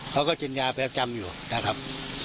เขาก็กินยาประจำอยู่นะครับ